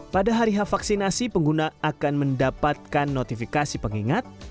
pada hari h vaksinasi pengguna akan mendapatkan notifikasi pengingat